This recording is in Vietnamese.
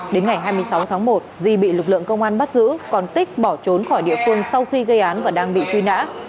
đến ngày hai mươi sáu tháng một di bị lực lượng công an bắt giữ còn tích bỏ trốn khỏi địa phương sau khi gây án và đang bị truy nã